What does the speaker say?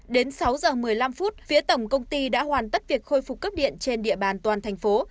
đến sáu giờ một mươi năm phút phía tổng công ty đã hoàn tất việc khôi phục cấp điện trên địa bàn toàn thành phố